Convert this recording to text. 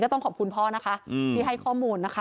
ต้องขอบคุณพ่อนะคะที่ให้ข้อมูลนะคะ